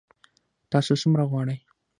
تاسو څومره غواړئ؟